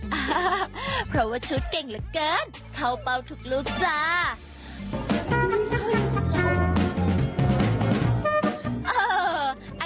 เพราะว่าชุดเก่งเหลือเกินเข้าเป้าทุกลูกจ้า